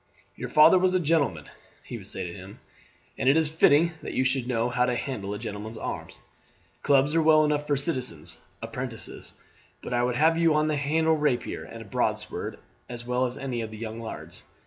"Your father was a gentleman," he would say to him, "and it is fitting that you should know how to handle a gentleman's arms. Clubs are well enough for citizens' apprentices, but I would have you handle rapier and broadsword as well as any of the young lairds.